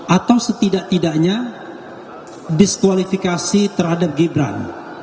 atau setidak tidaknya diskualifikasi terhadap gibran